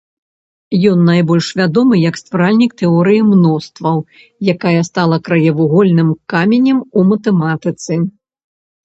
Ён найбольш вядомы як стваральнік тэорыі мностваў, якая стала краевугольным каменем у матэматыцы.